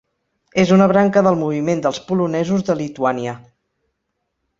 És una branca del Moviment dels Polonesos de Lituània.